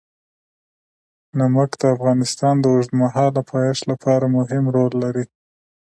نمک د افغانستان د اوږدمهاله پایښت لپاره مهم رول لري.